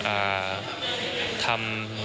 เอ่อทำ